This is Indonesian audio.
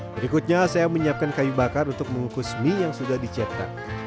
berikutnya saya menyiapkan kayu bakar untuk mengukus mie yang sudah dicetak